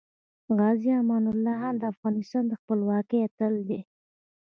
غازې امان الله خان د افغانستان د خپلواکۍ اتل دی .